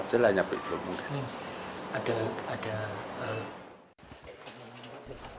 jadi hanya berhubungan